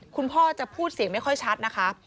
คุณพ่อจะพูดเสียงไม่ค่อยชัดนะคะ